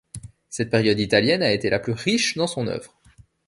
Cette période italienne a été la plus riche dans son œuvre.